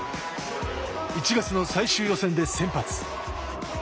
１月の最終予選で先発。